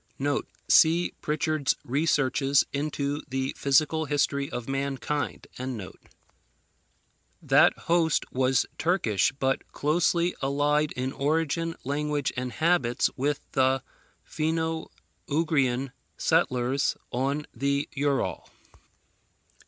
[See Prichard's Researches into the Physical History of Mankind.] That host was Turkish; but closely allied in origin, language, and habits, with the Finno Ugrian settlers on the Ural.